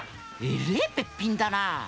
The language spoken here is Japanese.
えれえべっぴんだな。